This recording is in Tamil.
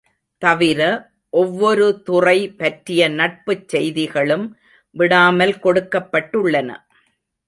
தவிர, ஒவ்வொரு துறை பற்றிய நடப்புச் செய்திகளும் விடாமல் கொடுக்கப்பட்டுள்ளன.